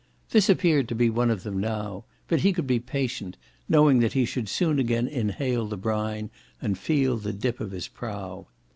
This appeared to be one of them now; but he could be patient, knowing that he should soon again inhale the brine and feel the dip of his prow.